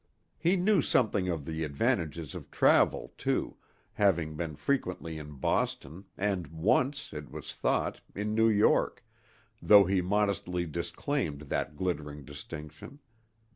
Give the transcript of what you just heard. He knew something of the advantages of travel, too, having been frequently in Boston, and once, it was thought, in New York, though he modestly disclaimed that glittering distinction.